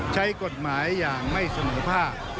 ใช้กฎหมายอย่างไม่สมบัติภาพ